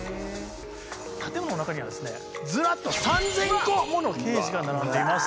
建物の中にはですねずらっと３，０００個ものケージが並んでいます。